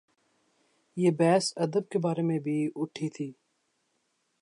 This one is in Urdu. یہ بحث ادب کے بارے میں بھی اٹھی تھی۔